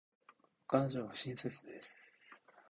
彼女は親切です。